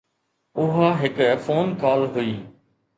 اها هڪ phone call هئي.